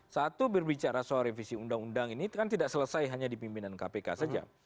satu berbicara soal revisi undang undang ini kan tidak selesai hanya di pimpinan kpk saja